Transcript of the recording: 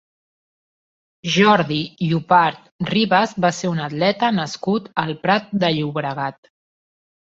Jordi Llopart Ribas va ser un atleta nascut al Prat de Llobregat.